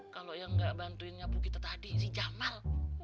kalau yang gak bantuin nyapu kita tadi si jamal